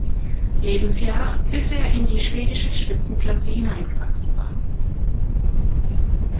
Lebensjahr, bis er in die schwedische Spitzenklasse hineingewachsen war.